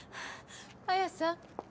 ・綾さん。